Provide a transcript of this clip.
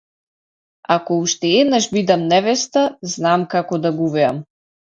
Ако уште еднаш бидам невеста, знам како да гувеам.